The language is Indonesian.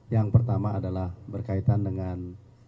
yang pertama adalah berkaitan dengan